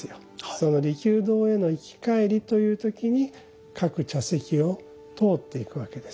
その利休堂への行き帰りという時に各茶席を通っていくわけですね。